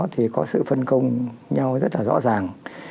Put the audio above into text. thì có sự phân công nhau rất là rõ ràng